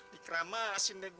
dikeramasin deh gue deh